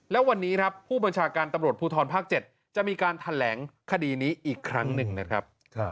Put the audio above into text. และวันนี้ครับผู้บัญชาการตำรวจภูทรภาค๗จะมีการแถลงคดีนี้อีกครั้งหนึ่งนะครับ